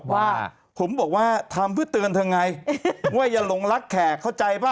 ว่าผมบอกว่าทำเพื่อเตือนเธอไงว่าอย่าหลงรักแขกเข้าใจป่ะ